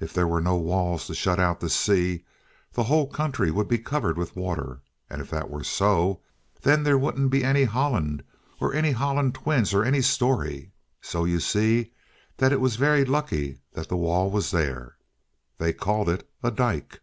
If there were no walls to shut out the sea, the whole country would be covered with water; and if that were so, then there wouldn't be any Holland, or any Holland twins, or any story. So you see that it was very lucky that the wall was there. They called it a dyke.